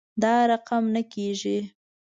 دا رقم نه کیږي